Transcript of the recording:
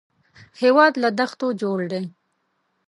هېواد له دښتو جوړ دی